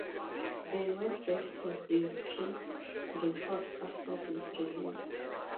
They went back to Victory Records after this release.